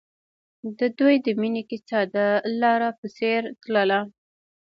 د دوی د مینې کیسه د لاره په څېر تلله.